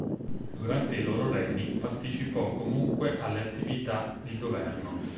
Durante i loro regni partecipò comunque alle attività di governo.